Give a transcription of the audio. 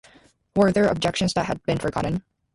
Were there objections that had been forgotten?